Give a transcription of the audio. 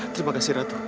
terima kasih ratu